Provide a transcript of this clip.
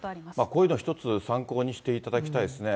こういうのを一つ参考にしていただきたいですね。